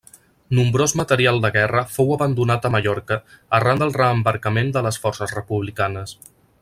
Nombrós material de guerra fou abandonat a Mallorca arran del reembarcament de les forces republicanes.